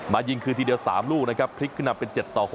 ยิงคืนทีเดียว๓ลูกนะครับพลิกขึ้นนำเป็น๗ต่อ๖